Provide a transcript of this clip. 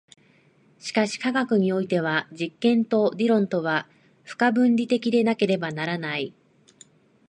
しかし科学においては実験と理論とは不可分離的でなければならない。